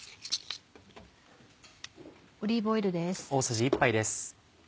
オリーブオイルです。